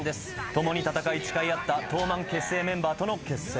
共に戦い誓い合った東卍結成メンバーとの決戦。